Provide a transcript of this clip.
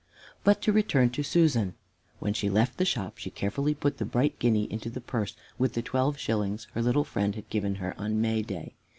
But to return to Susan. When she left the shop she carefully put the bright guinea into the purse with the twelve shillings her little friends had given her on Mayday.